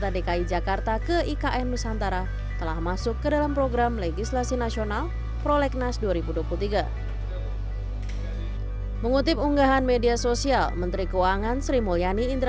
dki jakarta menjadi dkj